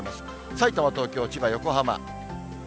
さいたま、東京、千葉、横浜。